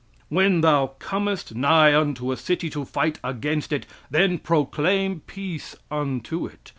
"When thou comest nigh unto a city to fight against it, then proclaim peace unto it.